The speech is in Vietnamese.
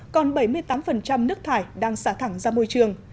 còn bảy mươi tám nước thải đang xả thẳng ra môi trường